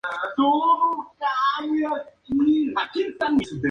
La "Fábrica No.